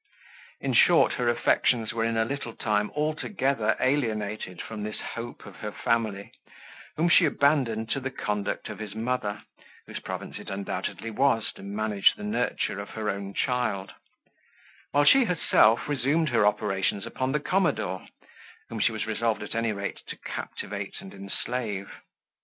In short, her affections were in a little time altogether alienated from this hope of her family, whom she abandoned to the conduct of his mother, whose province it undoubtedly was to manage the nurture of her own child; while she herself resumed her operations upon the commodore, whom she was resoled at any rate to captivate and enslave.